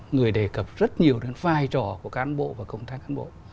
người đề cập rất nhiều đến vai trò của cán bộ và công tác cán bộ